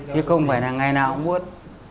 chứ không phải là ngày nào cũng bút